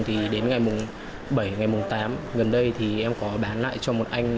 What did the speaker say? thì đến ngày bảy ngày tám gần đây thì em có bán lại cho một anh